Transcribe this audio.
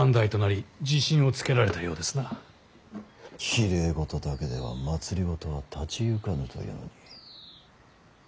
きれい事だけでは政は立ち行かぬというのに。